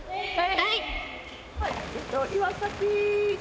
はい。